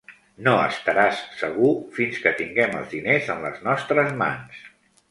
No estaràs segur fins que tinguem els diners en les nostres mans.